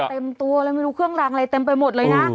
เต็มตัวเลยไม่รู้เครื่องรางอะไรเต็มไปหมดเลยนะ